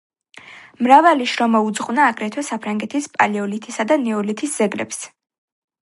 მრავალი შრომა უძღვნა აგრეთვე საფრანგეთის პალეოლითისა და ნეოლითის ძეგლებს.